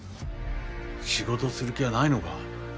仕事する気はないのか？